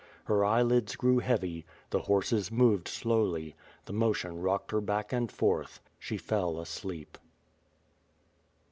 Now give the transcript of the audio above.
Her eyelids grew heavy; the horses moved slowly; the motion rocked her Iwick and forth — she fell asleep.